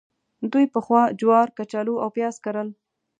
دوی پخوا جوار، کچالو او پیاز کرل.